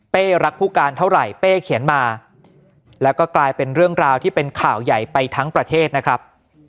รักผู้การเท่าไหร่เป้เขียนมาแล้วก็กลายเป็นเรื่องราวที่เป็นข่าวใหญ่ไปทั้งประเทศนะครับ